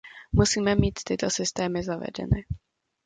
Musíme mít tyto systémy zavedeny.